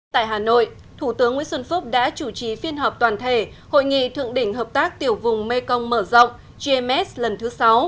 tại hà nội thủ tướng nguyễn xuân phúc đã chủ trì phiên họp toàn thể hội nghị thượng đỉnh hợp tác tiểu vùng mekong mở rộng gms lần thứ sáu